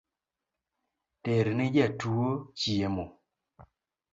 Terne jatuo chiemo